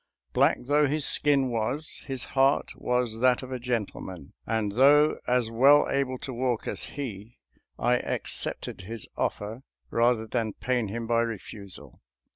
Black though his skin was, his heart was that of a gentleman, and though as well able to walk as he, I accepted his offer rather than pain him by refusal.